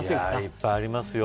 いっぱいありますよ